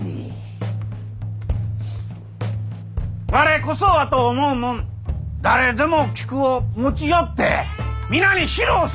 我こそはと思う者誰でも菊を持ち寄って皆に披露するがじゃ！